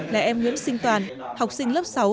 là em nguyễn sinh toàn học sinh lớp sáu